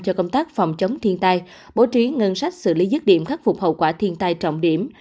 cho công tác phòng chống thiên tai bố trí ngân sách xử lý dứt điểm khắc phục hậu quả thiên tai trọng điểm